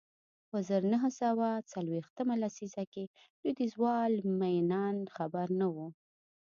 په زر نه سوه څلویښتمه لسیزه کې لوېدیځوال مینان خبر نه و